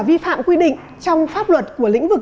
vi phạm quy định trong pháp luật của lĩnh vực